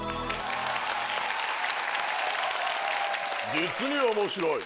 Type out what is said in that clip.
実に面白い！